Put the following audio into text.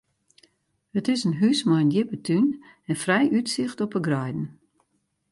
It is in hús mei in djippe tún en frij útsicht op de greiden.